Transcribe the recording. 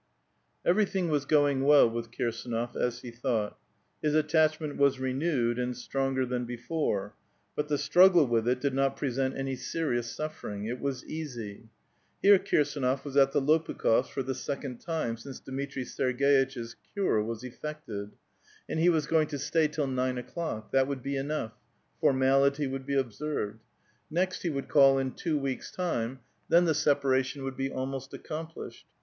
Everything was going well with Kirsdnof, as he thought. is attachment was renewed, and stronger than before ; but t.he struggle with it did not present any serious suffering ; it 'Was easy. Here Kirsdnof was at the Lopukh6f8' for the sec ond time since Dmitri Serg^itch's cure was effected ; and he >ras going to stay till nine o'clock ; that would be enough ; formality would be observed. Next he would call in two 208 A VITAL QUESTION. weeks' time ; then the separation would be almost accom plished.